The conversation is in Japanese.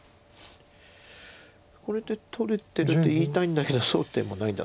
これで取れてると言いたいんだけどそうでもないんだね。